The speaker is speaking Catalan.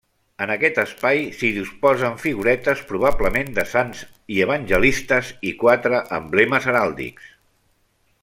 En aquest espai s'hi disposen figuretes, probablement de sants i evangelistes, i quatre emblemes heràldics.